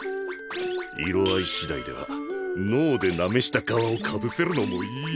色合いしだいでは脳でなめした皮をかぶせるのもいい。